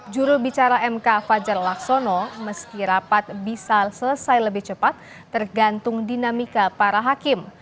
jurubicara mk fajar laksono meski rapat bisa selesai lebih cepat tergantung dinamika para hakim